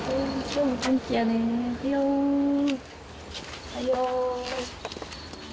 おはよう。